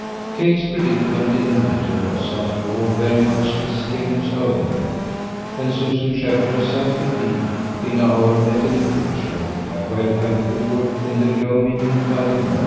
Kate's predicament in the matter was, after all, very much Mrs. Stringham's own, and Susan Shepherd herself indeed, in our Maeterlinck picture, might well have hovered in the gloaming by the moat.